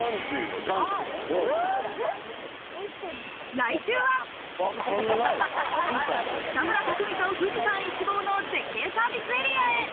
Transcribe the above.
来週は、北村匠海と富士山一望の絶景サービスエリアへ。